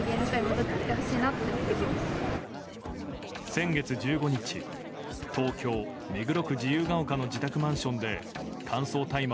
先月１５日東京・目黒区自由が丘の自宅マンションで乾燥大麻